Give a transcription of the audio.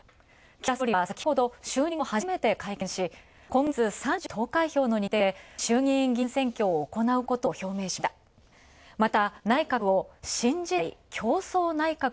岸田総理は先ほど、就任後初めて会見し、今月３１日、投開票の日程で、衆議院議員選挙をおこなうことを表明しました。